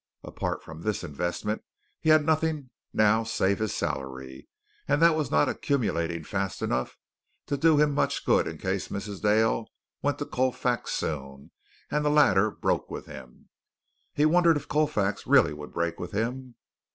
Apart from this investment, he had nothing now save his salary, and that was not accumulating fast enough to do him much good in case Mrs. Dale went to Colfax soon, and the latter broke with him. He wondered if Colfax really would break with him.